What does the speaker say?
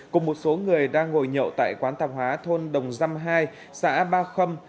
cùng một số người đang ngồi nhậu tại quán tạp hóa thôn đồng dăm hai xã ba khâm